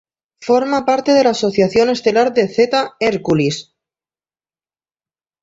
Forma parte de la asociación estelar de Zeta Herculis.